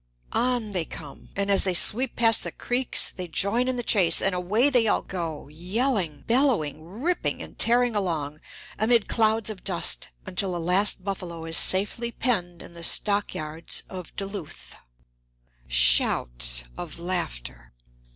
On they come! And as they sweep past the Creeks, they join in the chase, and away they all go, yelling, bellowing, ripping, and tearing along, amid clouds of dust, until the last buffalo is safely penned in the stockyards of Duluth! (Shouts of laughter.)